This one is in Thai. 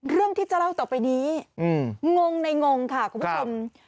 เรื่องที่จะเล่าต่อไปนี้งงในงงค่ะคุณผู้ชม